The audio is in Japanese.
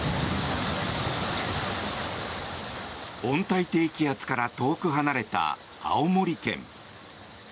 温帯低気圧から遠く離れた青森県。